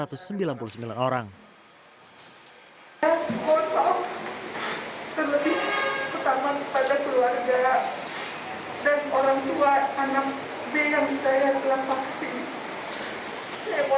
saya tidak ingin membuat apa pun saya hanya ingin membantu jadwal lawan untuk membuat vaksin